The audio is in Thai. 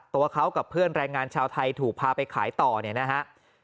ตัวเขากับเพื่อนแรงงานชาวไทยถูกพาไปขายต่อเนี่ยนะฮะ